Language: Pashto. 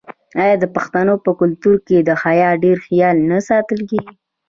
آیا د پښتنو په کلتور کې د حیا ډیر خیال نه ساتل کیږي؟